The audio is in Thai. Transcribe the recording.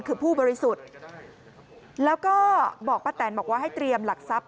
คือผู้บริสุทธิ์แล้วก็บอกป้าแตนบอกว่าให้เตรียมหลักทรัพย